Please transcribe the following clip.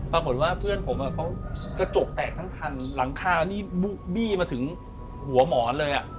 ปรากฏว่าเพื่อนผมเขากระจกแตกทั้งคันหลังคานี่บี้มาถึงหัวหมอนเลย